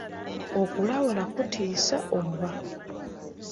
Okulabula kutiisa oba?